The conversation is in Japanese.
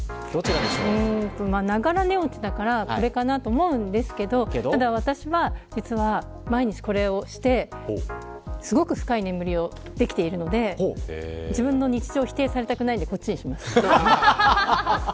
お酒をたしなまれているという金子さん。ながら寝落ちだからこれかなと思うんですけどただ、私は実は毎日これをしてすごく深い眠りができているので自分の日常を否定されたくないのでこっちにします。